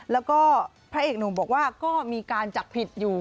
แล้วก็พระเอกหนุ่มบอกว่าก็มีการจับผิดอยู่